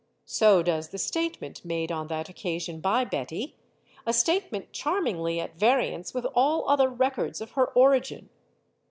So does the statement made on that occasion by Betty a state ment charmingly at variance with all other records of her origin.